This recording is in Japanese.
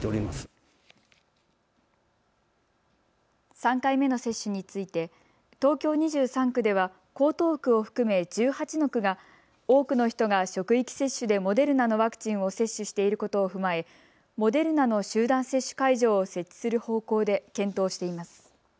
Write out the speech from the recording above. ３回目の接種について東京２３区では江東区を含め１８の区が多くの人が職域接種でモデルナのワクチンを接種していることを踏まえモデルナの集団接種会場を設置する方向で検討しています。